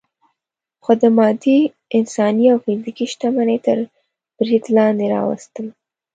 خو د مادي، انساني او فزیکي شتمنۍ تر برید لاندې راوستل.